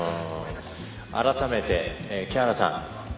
改めて、木原さん。